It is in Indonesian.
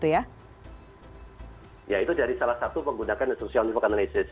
ya itu dari salah satu menggunakan social invokan analysis